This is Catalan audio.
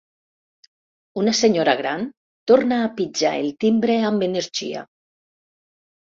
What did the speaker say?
Una senyora gran torna a pitjar el timbre amb energia.